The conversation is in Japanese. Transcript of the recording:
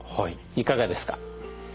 いかがですか？